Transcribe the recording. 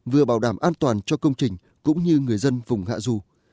vừa bảo đảm an toàn cho công trình cũng như người dân vùng hạ dù